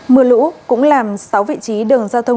mưa lũ cũng làm sáu vị trí đường giao thông